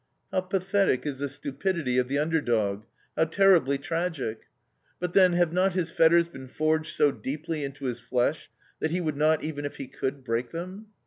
How pathetic is the stupidity of the underdog; how terribly tragic! But, then, have not his fetters been forged so deeply into his flesh, that he would not, even if he could, break them?